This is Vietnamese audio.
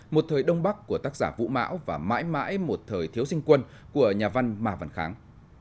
một thời đông bắc của tác giả vũ mão và mãi mãi một thời thiếu sinh quân của nhà văn ma văn kháng